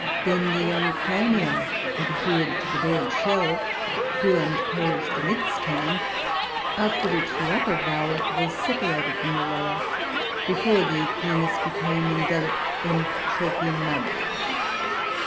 Then the young Crania adhered to the bared shell, grew and perished in its turn; after which, the upper valve was separated from the lower, before the Echinus became enveloped in chalky mud."